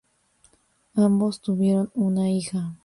Ambos tuvieron una hija.